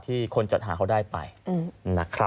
คนจัดหาเขาได้ไปนะครับ